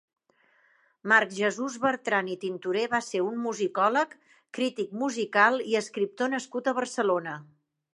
Marc Jesús Bertran i Tintorer va ser un musicòleg, crític musical i escriptor nascut a Barcelona.